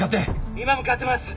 今向かってます！